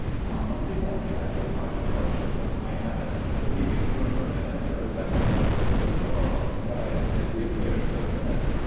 On Monday morning I took my departure from Hyannis, believing firmer than ever, that the provi dence of God guides in the affairs of men.